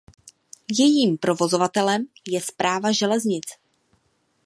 Jejím provozovatelem je Správa železnic.